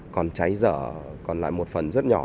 còn cháy dở còn lại một phần rất nhỏ